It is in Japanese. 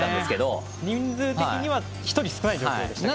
人数的には１人少ない状況でした。